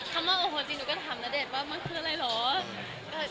คำว่าโอ้โหจริงหนูก็ถามณเดชน์ว่ามันคืออะไรเหรอ